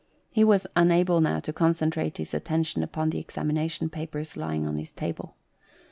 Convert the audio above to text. He was unable now to concentrate his attention upon the examination papers lying on his table.